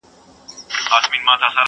چي لیدلی یې مُلا وو په اوبو کي!.